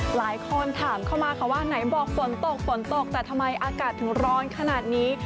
หลายคนถามเข้ามาค่ะว่าไหนบอกฝนตกฝนตกแต่ทำไมอากาศถึงร้อนขนาดนี้